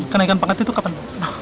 kenaikan pangkat itu kapan